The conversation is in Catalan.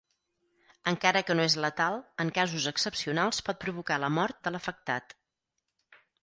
Encara que no és letal, en casos excepcionals pot provocar la mort de l'afectat.